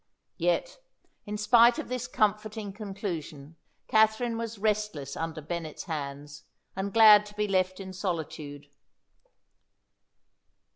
Yet, in spite of this comforting conclusion, Katherine was restless under Bennet's hands, and glad to be left in solitude.